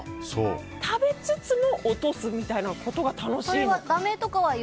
食べつつも落とすみたいなことが楽しいのかな。